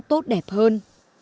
tốt đẹp hơn